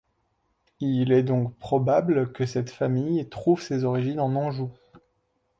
Il est donc probable que cette famille trouve ses origines en Anjou.